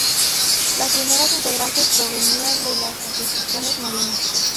Las primeras integrantes provenían de las asociaciones marianas.